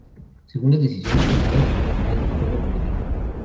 Según las decisiones tomadas, el final del juego variará.